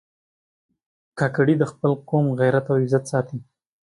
کاکړي د خپل قوم غیرت او عزت ساتي.